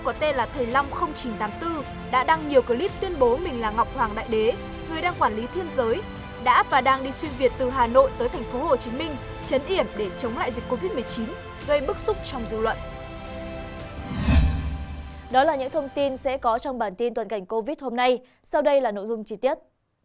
đó là những thông tin sẽ có trong bản tin tuần cảnh covid hôm nay sau đây là nội dung chi tiết